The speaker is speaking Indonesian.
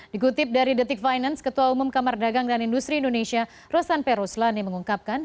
dikutip dari detik finance ketua umum kamar dagang dan industri indonesia rosan peruslani mengungkapkan